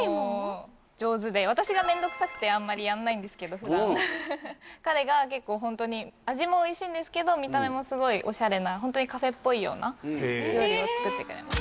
私が面倒くさくてあんまりやんないんですけど普段彼が結構ホントに味もおいしいんですけど見た目もすごいオシャレなホントにカフェっぽいような料理を作ってくれます